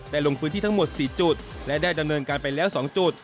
ลงพื้นที่ทั้งหมด๔จุดและได้ดำเนินการไปแล้ว๒จุด